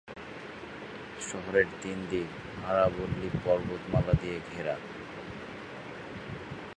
শহরের তিন দিক আরাবল্লী পর্বত মালা দিয়ে ঘেরা।